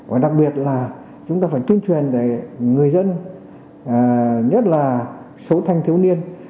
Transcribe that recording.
và đặc biệt là chúng ta phải tuyên truyền để người dân nhất là số thanh thiếu niên